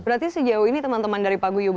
berarti sejauh ini teman teman dari paguyuban